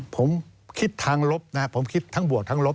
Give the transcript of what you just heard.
ผมคิดทางลบนะผมคิดทั้งบวกทั้งลบ